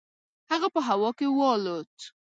هغه په هوا کې والوت.